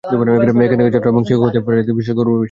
এখানকার ছাত্র হওয়া এবং শিক্ষক হতে পারা তাই বিশেষ গৌরবের বিষয়।